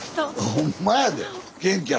ほんまやで。